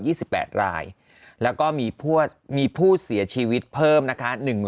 ี่สิบแปดรายแล้วก็มีพวกมีผู้เสียชีวิตเพิ่มนะคะหนึ่ง